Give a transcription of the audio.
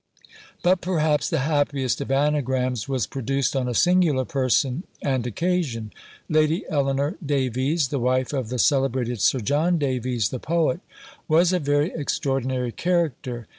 But, perhaps, the happiest of anagrams was produced on a singular person and occasion. Lady Eleanor Davies, the wife of the celebrated Sir John Davies, the poet, was a very extraordinary character.